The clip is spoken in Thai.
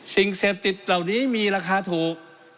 สิ่งเสพติดเหล่านี้มีราคาถูก